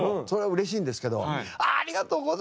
それは嬉しいんですけど。